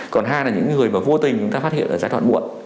còn hai là những người mà vô tình chúng ta phát hiện ở giai đoạn muộn